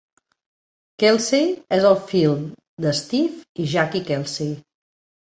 Kelsay és el fill de Steve i Jackie Kelsay.